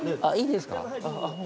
あっいいですか？